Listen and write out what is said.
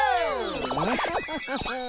ムフフフフ。